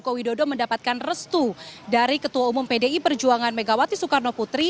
jokowi dodo mendapatkan restu dari ketua umum pdi perjuangan megawati soekarno putri